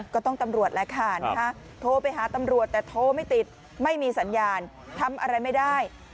ตำรวจแหละค่ะโทรไปหาตำรวจแต่โทรไม่ติดไม่มีสัญญาณทำอะไรไม่ได้